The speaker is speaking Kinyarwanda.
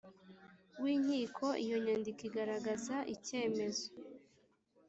W inkiko iyo nyandiko igaragaza icyemezo